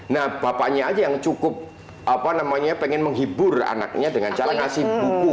nah bapaknya aja yang cukup pengen menghibur anaknya dengan cara ngasih buku